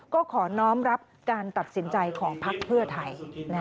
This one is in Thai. ก็ขอน้องรับการตัดสินใจของพักเพื่อไทย